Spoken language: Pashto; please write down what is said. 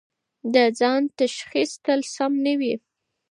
د ځان تشخیص تل سم نه وي.